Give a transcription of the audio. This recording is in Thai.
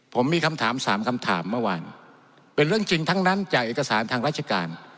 ผมมีคำถามสามคำถามเมื่อวานเป็นเรื่องจริงทั้งนั้นจากเอกสารทางราชการ